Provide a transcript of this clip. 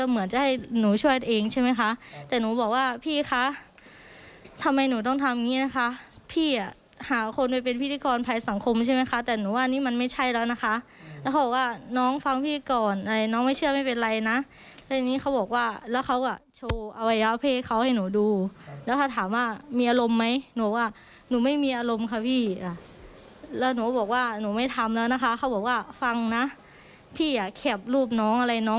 แม่โชว์เข็มฉีดยาด้วยนะ